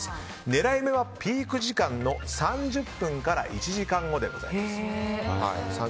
狙い目はピーク時間の３０分から１時間後でございます。